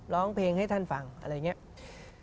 ร้องเพลงให้ท่านฟังอะไรอย่างนี้